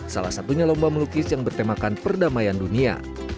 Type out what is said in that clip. salah satunya lomba melukis yang bertemakan perdamaian dunia